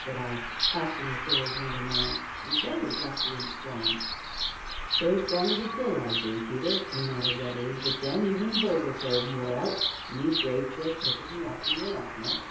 said I, clasping the shrivelled hand in mine, "and very lusty and strong " "So strong as a bull I be, Peter!" he nodded readily, "but then, even a bull gets old an' wore out, an' these grave chills ketches me oftener an' oftener.